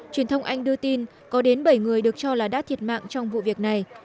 truyền thông anh đưa tin có đến bảy người được cho là đã thiệt mạng trong một ngày